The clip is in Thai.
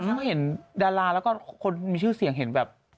เขาเห็นดาราแล้วก็คนมีชื่อเสียงเห็นแบบ